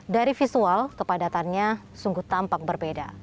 dari visual kepadatannya sungguh tampak berbeda